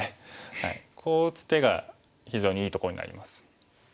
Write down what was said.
こう打つ手が非常にいいところになります。